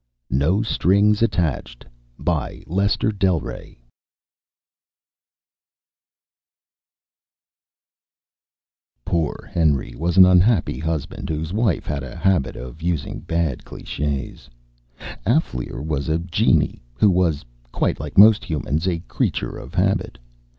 No Strings Attached By Lester del Rey Illustrated by Kelly Freas _Poor Henry was an unhappy husband whose wife had a habit of using bad clichès. Alféar was a genii who was, quite like most humans, a creature of habit.